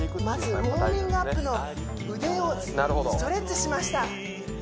まずウォーミングアップの腕をストレッチしました